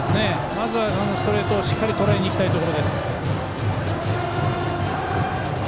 まずはストレートをしっかりととらえにいきたいところです。